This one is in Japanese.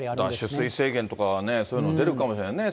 取水制限とか、そういうの、出るかもしれないですね。